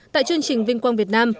tại chương trình vinh quang việt nam